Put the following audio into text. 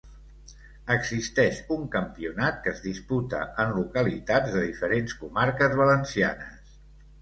Existeix un campionat que es disputa en localitats de diferents comarques valencianes.